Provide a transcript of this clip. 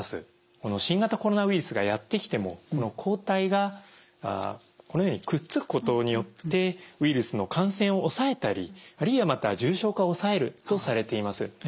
この新型コロナウイルスがやって来てもこの抗体がこのようにくっつくことによってウイルスの感染を抑えたりあるいはまた重症化を抑えるとされています。